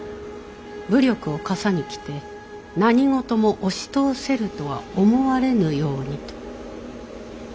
武力をかさに着て何事も押し通せるとは思われぬようにと。